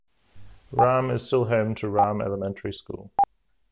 Rhame is still home to Rhame Elementary School.